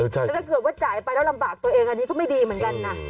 แต่ถ้าเกิดว่าจ่ายไปแล้วลำบากตัวเองอันนี้ก็ไม่ดีเหมือนกันนะ